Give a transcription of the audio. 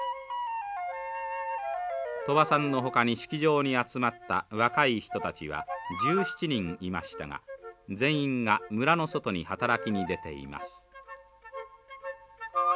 トバさんのほかに式場に集まった若い人たちは１７人いましたが全員が村の外に働きに出ています。